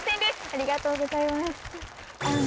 ありがとうございます。